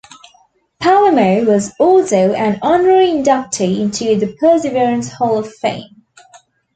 Palermo was also an honorary inductee into the Perseverance Hall of Fame.